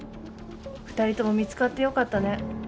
２人とも見つかってよかったね。